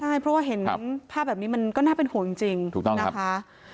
ใช่เพราะว่าเห็นภาพแบบนี้มันก็น่าเป็นห่วงจริงถูกต้องนะคะ